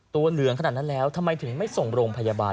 เหลืองขนาดนั้นแล้วทำไมถึงไม่ส่งโรงพยาบาล